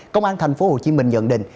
công an tp hcm nhận định